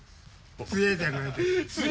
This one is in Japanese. つえじゃないです。